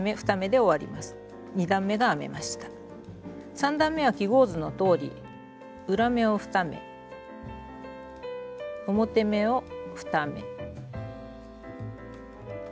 ３段めは記号図のとおり裏目を２目表目を２目。